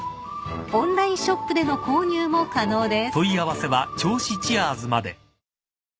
［オンラインショップでの購入も可能です］